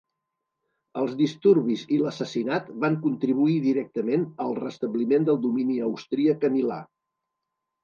Els disturbis i l'assassinat van contribuir directament al restabliment del domini austríac a Milà.